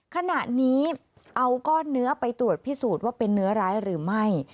ขณะนี้เอาก้อนเนื้อไปตรวจพิสูจน์ว่าเป็นเนื้อร้ายหรือไม่